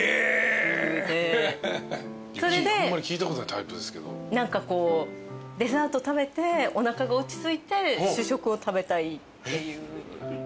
それで何かこうデザート食べておなかが落ち着いて主食を食べたいっていう。